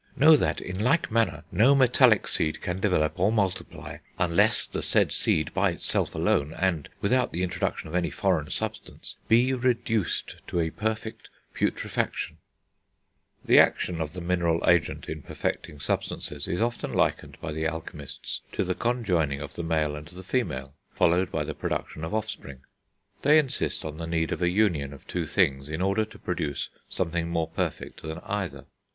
Know that, in like manner, no metallic seed can develop, or multiply, unless the said seed, by itself alone, and without the introduction of any foreign substance, be reduced to a perfect putrefaction." [Illustration: FIG. III.] The action of the mineral agent in perfecting substances is often likened by the alchemists to the conjoining of the male and the female, followed by the production of offspring. They insist on the need of a union of two things, in order to produce something more perfect than either.